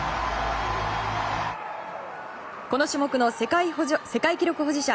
この種目の世界記録保持者